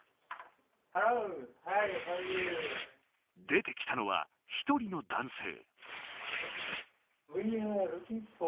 出てきたのは１人の男性